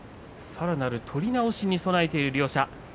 さらなる取り直しに備えている両者。